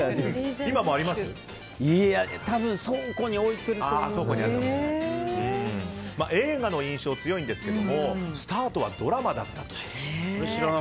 多分、倉庫に映画の印象が強いんですけどスタートはドラマだったと。